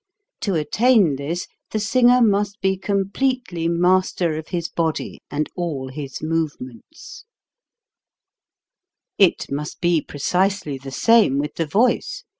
To attain this, the singer must be completely master of his body and all his movements. 268 HOW TO SING It must be precisely the same with the voice.